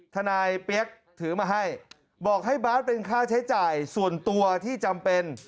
นายกเปี๊ยกถือมาให้บอกให้บาทเป็นค่าใช้จ่ายส่วนตัวที่จำเป็น